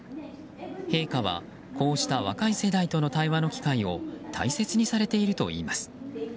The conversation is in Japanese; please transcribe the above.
陛下は、こうした若い世代との対話の機会を大切にされているといいます。